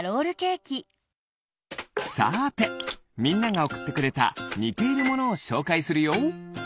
さてみんながおくってくれたにているものをしょうかいするよ。